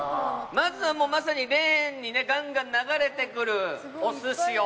まずはまさにレーンにねガンガン流れてくるお寿司を。